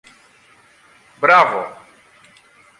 Μπράβο!